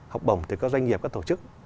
học bổng từ các doanh nghiệp các tổ chức